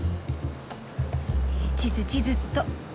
え地図地図っと。